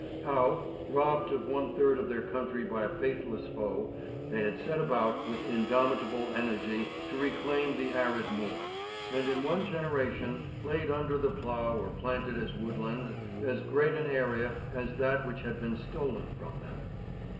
How, robbed of one third of their country by a faithless foe, they had set about with indomitable energy to reclaim the arid moor, and in one generation laid under the plough or planted as woodland as great an area as that which had been stolen from them.